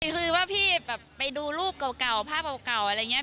เห็นแล้ว